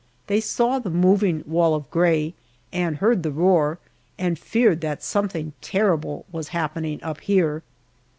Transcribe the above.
They saw the moving wall of gray and heard the roar, and feared that something terrible was happening up here.